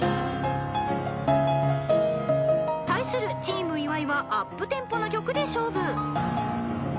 ［対するチーム岩井はアップテンポな曲で勝負］